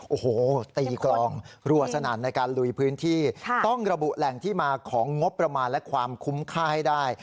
โอ้โหตีกลองรัวสนั่นในการลุยพื้นที่ต้องระบุแหล่งที่มาของงบประมาณและความคุ้มค่าให้ได้